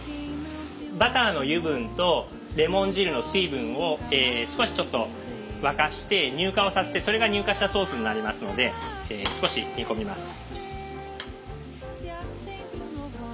バターの油分とレモン汁の水分を少しちょっと沸かして乳化をさせてそれが乳化したソースになりますので少し煮込みます。